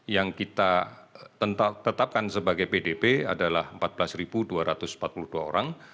yang kita tetapkan sebagai pdp adalah empat belas dua ratus empat puluh dua orang